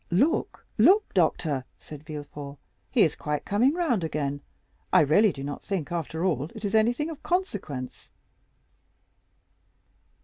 "Look, look, doctor," said Villefort, "he is quite coming round again; I really do not think, after all, it is anything of consequence."